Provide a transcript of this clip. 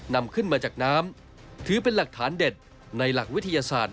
นำขึ้นมาจากน้ำถือเป็นหลักฐานเด็ดในหลักวิทยาศาสตร์